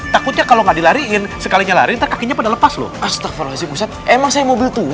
takutnya kalau nggak dilariin sekalinya lari ntar kakinya pada lepas loh astrak formasi pusat emang saya mobil tua